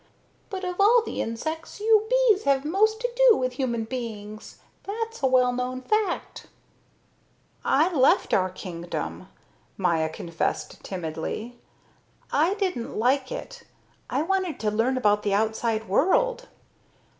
"But of all the insects you bees have most to do with human beings. That's a well known fact." "I left our kingdom," Maya confessed timidly. "I didn't like it. I wanted to learn about the outside world."